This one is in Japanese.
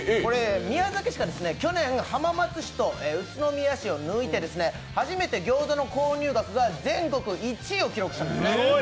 宮崎市が去年、浜松市と宇都宮市を抜いて初めてギョーザの購入額が全国１位を記録しました。